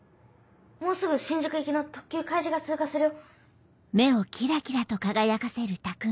もうすぐ新宿行きの特急かいじが通過するよ。